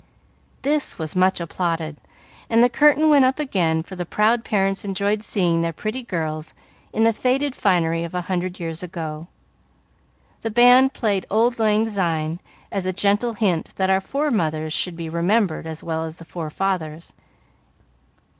This was much applauded, and the curtain went up again, for the proud parents enjoyed seeing their pretty girls in the faded finery of a hundred years ago. The band played "Auld Lang Syne," as a gentle hint that our fore mothers should be remembered as well as the fore fathers.